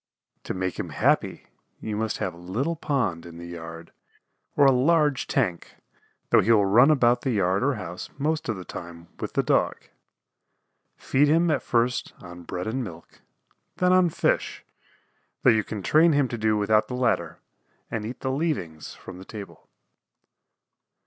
To make him happy you must have a little pond in the yard or a large tank, though he will run about the yard or house most of the time with the Dog. Feed him at first on bread and milk, then on fish, though you can train him to do without the latter and eat the "leavings" from the table.